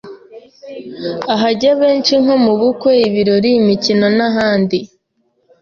ahajya abeshi nko mu bukwe, ibirori, imikino n’ahandi,